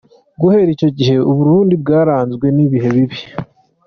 Guhera icyo gihe u Burundi bwaranzwe n’ibihe bibi.